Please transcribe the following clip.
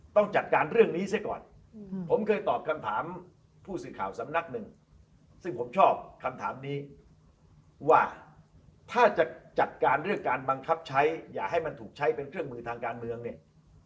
ต้องจัดการเรื่องนี้เสียก่อนผมเคยตอบคำถามผู้สื่อข่าวสำนักหนึ่งซึ่งผมชอบคำถามนี้ว่าถ้าจะจัดการเรื่องการบังคับใช้อย่าให้มันถูกใช้เป็นเครื่องมือทางการเมืองเนี่ย